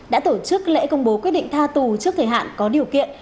đã tổ chức lễ công bố quyết định tha tù trước thời hạn có điều kiện